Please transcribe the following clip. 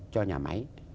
cho nhà máy